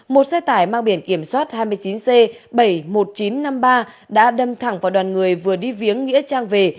một xe tải mang biển kiểm soát hai mươi chín c bảy mươi một nghìn chín trăm năm mươi ba đã đâm thẳng vào đoàn người vừa đi viếng nghĩa trang về